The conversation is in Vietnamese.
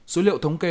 số liệu thống kê